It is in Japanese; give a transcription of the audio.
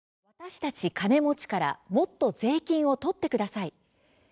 「私たち金持ちからもっと税金をとってください！」